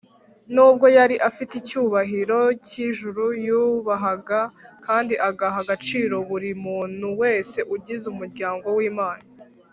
nubwo yari afite icyubahiro cy’ijuru, yubahaga kandi agaha agaciro buri muntu wese ugize umuryango w’imana